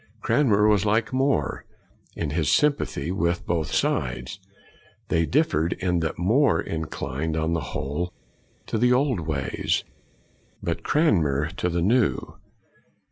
Cran mer was like More in his sympathy with both sides. They differed in that More inclined on the whole to the old ways, but Cranmer to the new.